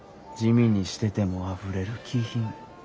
地味にしててもあふれる気品。